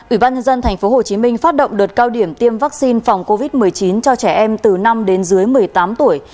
ủy ban nhân dân tp hcm phát động đợt cao điểm tiêm vaccine phòng covid một mươi chín cho trẻ em từ năm đến dưới một mươi tám tuổi